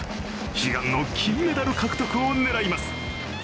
悲願の金メダル獲得を狙います。